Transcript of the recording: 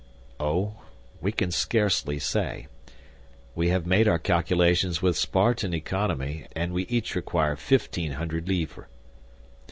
"Oh, we can scarcely say. We have made our calculations with Spartan economy, and we each require fifteen hundred livres."